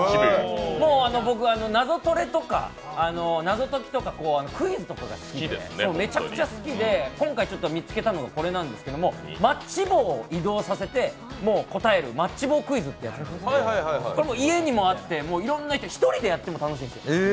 もう僕、謎トレとか謎解きとかクイズが好きで今回見つけたのがこれなんですけども、マッチ棒を移動させて答えるマッチ棒クイズってやつなんですけど家にもあって、いろんな人、１人でやっても楽しいんですよ